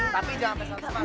tapi jangan pesan pesan